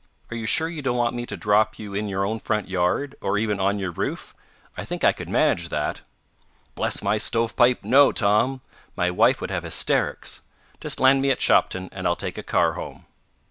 Are you sure you don't want me to drop you in your own front yard, or even on your roof? I think I could manage that." "Bless my stovepipe, no, Tom! My wife would have hysterics. Just land me at Shopton and I'll take a car home."